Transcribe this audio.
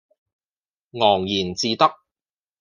昂然自得